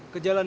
ke jalan lima